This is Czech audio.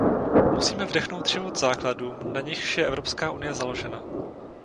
Musíme vdechnout život základům, na nichž je Evropská unie založena.